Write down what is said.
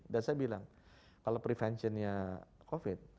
dan saya bilang kalau preventionnya covid